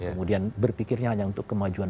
kemudian berpikirnya hanya untuk kemajuan